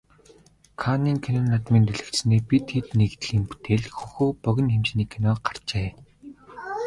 Каннын кино наадмын дэлгэцнээ "Бид хэд" нэгдлийн бүтээл "Хөхөө" богино хэмжээний кино гарчээ.